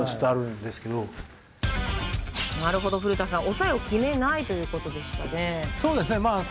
抑えを決めないということでしたね、古田さん。